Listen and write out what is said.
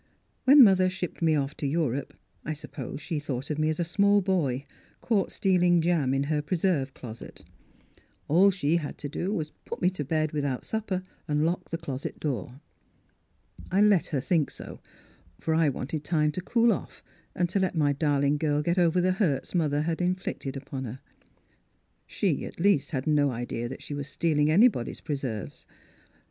" When mother shipped me off to Eu rope I suppose she thought of me as a small boy, caught stealing jam in her pre serve closet. All she had to do was to put me to bed w^ithout supper and lock the closet door. " I let her think so, for I wanted time to cool off and to let my darling girl get over the hurts mother had inflicted upon her. — She. at least, had no idea that she was stealing anybody's preserves.